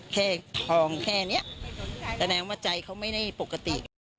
แค่ทองแค่นี้แสดงว่าใจเขาไม่ได้ปกติ